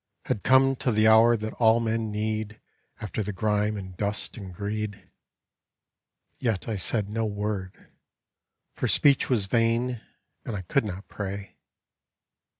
Had come to the hour that all men need After the grime and dust and greed. Yet I said no word. For speech was vain, and I could not pray.